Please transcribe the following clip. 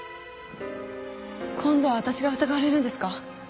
今度は私が疑われるんですか？